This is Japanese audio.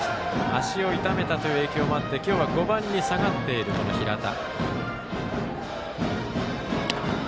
足を痛めたという影響もあって今日は５番に下がっている平田。